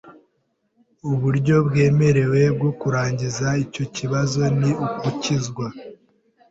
uburyo bwemewe bwo kurangiza icyo kibazo ni ugukizwa